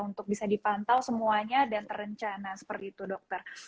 untuk bisa dipantau semuanya dan terencana seperti itu dokter